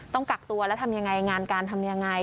ต้องกักตัวแล้วทำยังไงงานการทำยังไง